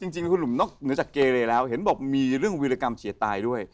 จริงคุณหนุ่มนอกเหนือจากเกเรแล้วเห็นบอกมีเรื่องวิรากรรมเฉียดตายด้วย